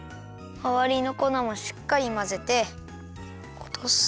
まわりのこなもしっかりまぜておとす。